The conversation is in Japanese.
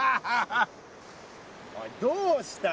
おいどうした？